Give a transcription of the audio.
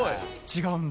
違うんだ。